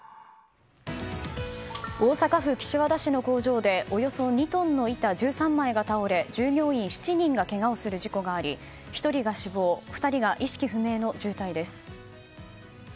大阪府岸和田市の工場でおよそ２トンの板１３枚が倒れ従業員７人がけがをする事故があり１人が死亡２人が意識不明の重体です。